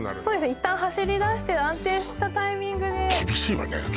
そうですね一旦走りだして安定したタイミングで厳しいわね